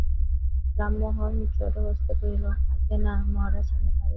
রামমোহন জোড়হস্তে কহিল, আজ্ঞা না মহারাজ, আমি পারিব না।